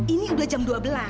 ini udah jam dua belas